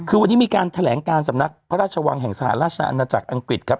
คือวันนี้มีการแถลงการสำนักพระราชวังแห่งสหราชอาณาจักรอังกฤษครับ